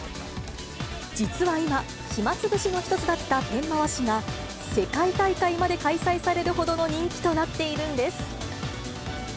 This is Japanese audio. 実は今、暇つぶしの一つだったペン回しが、世界大会まで開催されるほどの人気となっているんです。